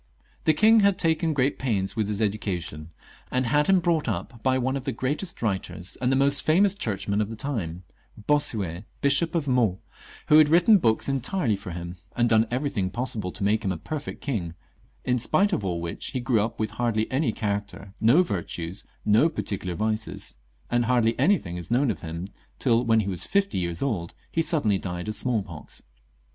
The king had taken great pains with his education, and had him brought up by one of the greatest writers, and the most famous Churchman of the time — Bossuet, Bishop of Meaux — who had written books entirely for him, and done everything possible to make him a perfect king, in spite of all which he grew up with hardly any character, no virtues, no particular vices ; and hardly any thing is known of him till, when he was fifty years old, he suddenly died of smallpox.